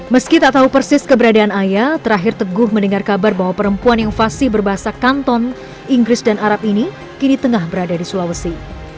meski tak tahu persis keberadaan ayah terakhir teguh mendengar kabar bahwa perempuan yang fasi berbahasa kanton inggris dan arab ini kini tengah berada di sulawesi